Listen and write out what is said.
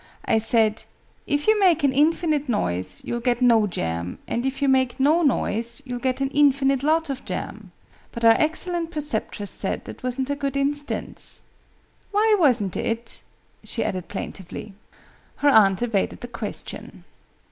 I said 'If you make an infinite noise, you'll get no jam: and if you make no noise, you'll get an infinite lot of jam.' But our excellent preceptress said that wasn't a good instance. Why wasn't it?" she added plaintively. Her aunt evaded the question.